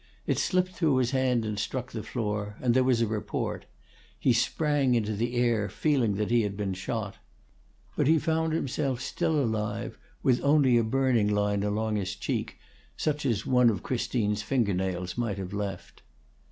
It slipped through his hand and struck the floor, and there was a report; he sprang into the air, feeling that he had been shot. But he found himself still alive, with only a burning line along his cheek, such as one of Christine's finger nails might have left.